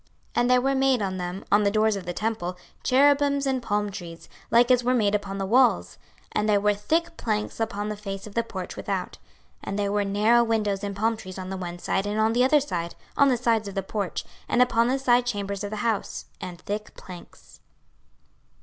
26:041:025 And there were made on them, on the doors of the temple, cherubims and palm trees, like as were made upon the walls; and there were thick planks upon the face of the porch without. 26:041:026 And there were narrow windows and palm trees on the one side and on the other side, on the sides of the porch, and upon the side chambers of the house, and thick planks.